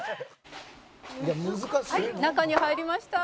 「はい中に入りました」